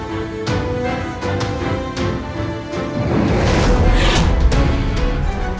kita gak jeling dimana gimana